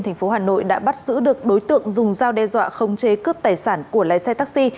thành phố hà nội đã bắt giữ được đối tượng dùng dao đe dọa không chế cướp tài sản của lái xe taxi